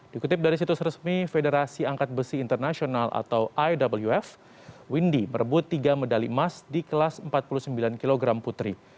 dikutip dari situs resmi federasi angkat besi internasional atau iwf windy merebut tiga medali emas di kelas empat puluh sembilan kg putri